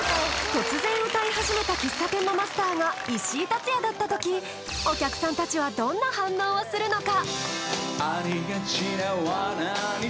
突然歌い始めた喫茶店のマスターが石井竜也だった時お客さんたちはどんな反応をするのか！？